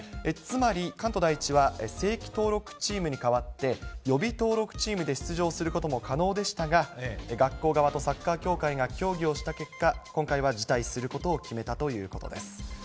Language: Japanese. つまり、関東第一は正規登録チームに代わって、予備登録チームで出場することも可能でしたが、学校側とサッカー協会が協議をした結果、今回は辞退することを決めたということです。